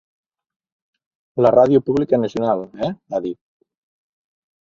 La ràdio pública nacional, eh?, ha dit.